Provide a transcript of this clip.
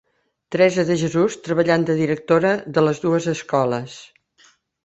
Teresa de Jesús treballant de directora de les dues escoles.